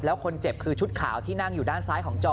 แล้วคนเจ็บคือชุดขาวที่นั่งอยู่ด้านซ้ายของจอ